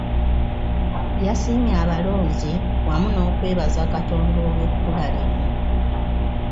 Yasiimye abalonzi wamu n’okwebaza Katonda olw’ekkula lino.